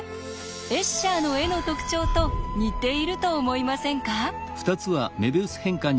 エッシャーの絵の特徴と似ていると思いませんか？